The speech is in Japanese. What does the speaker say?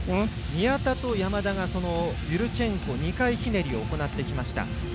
宮田と山田がユルチェンコ２回ひねりを行ってきました。